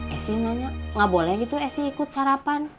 esi nanya gak boleh gitu esi ikut sarapan